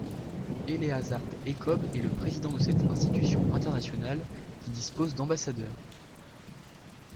Eléazard Ekobe est le président de cette institution internationale qui dispose d'ambassadeurs.